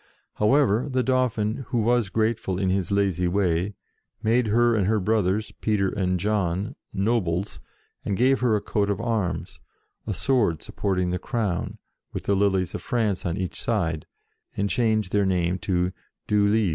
How THE DAUPHIN IS CROWNED 67 ever, the Dauphin, who was grateful in his lazy way, made her and her brothers, Peter and John, nobles, and gave her a coat of arms, a sword supporting the Crown, with the Lilies of France on each side, and changed their name to du Lys.